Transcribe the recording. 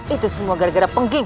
itu semua gara gara pengging